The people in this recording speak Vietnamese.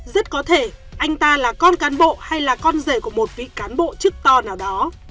rất có thể anh ta là con cán bộ hay là con rể của một vị cán bộ chức to nào đó